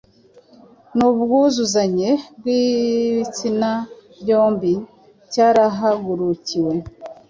nubwuzuzanye bw’ibitsina byombi, cyarahagurukiwe.